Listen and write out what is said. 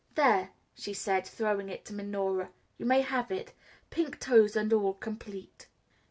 "There," she said, throwing it to Minora, "you may have it pink toes and all complete."